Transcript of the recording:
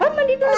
papa mandi dulu